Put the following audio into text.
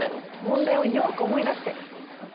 問題をよく思い出して！